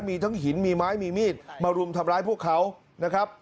มีทั้งหินมีไม้มีมีดมารุมทำร้ายพวกเขานะครับ